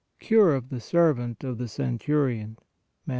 CURE OF THE SERVANT OF THE CENTURION Mat.